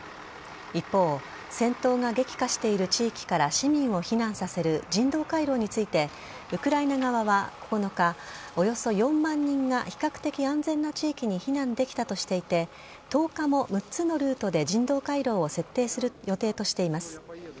一方、戦闘が激化している地域から市民を避難させる人道回廊についてウクライナ側は９日およそ４万人が比較的安全な地域に避難できたとしていて１０日も、６つのルートで人道回廊を設定する予定としています。